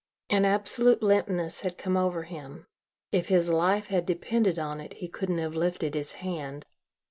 An absolute limpness had come over him. If his life had depended on it, he couldn't have lifted his hand.